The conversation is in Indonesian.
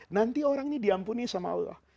nanti orang ini diampuni sama allah